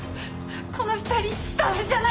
この二人スタッフじゃない。